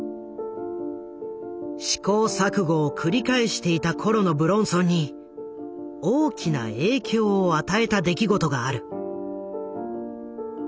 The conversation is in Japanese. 試行錯誤を繰り返していた頃の武論尊に大きな影響を与えた出来事がある。